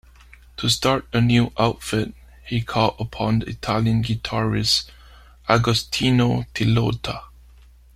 To start a new outfit he called upon the Italian guitarist Agostino Tilotta.